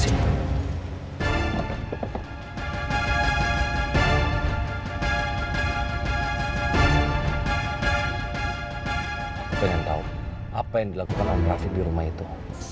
aku ingin tahu sudah apa yang dilakukan om rafiq di rumah itu